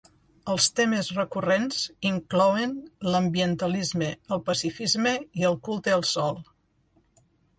Els temes recurrents inclouen l'ambientalisme, el pacifisme i el culte al sol.